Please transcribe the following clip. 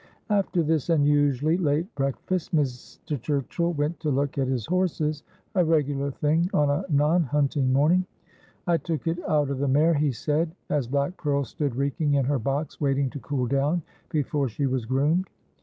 After this unusually late breakfast Mr. Turchill went to look at his horses — a regular thing on a non hunting morning. 'I 230 Aspliodel. took it out of the mare,' he said, as Black Pearl stood reeking in her box, waiting to cool down before she was groomed.